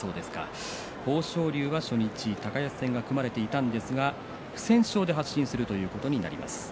豊昇龍が初日、高安戦が組まれていたんですが不戦勝で発進するということになります。